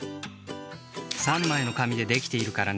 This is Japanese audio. ３枚のかみでできているからね。